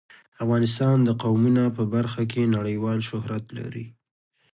افغانستان د قومونه په برخه کې نړیوال شهرت لري.